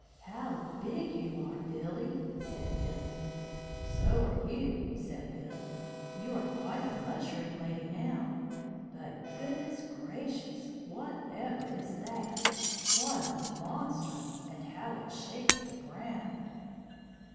"How big you are, Billy!" said Milly. "So are you," said Billy. "You are quite a mushroom lady now. But goodness gracious! Whatever is that? What a monster! And how it shakes the ground!"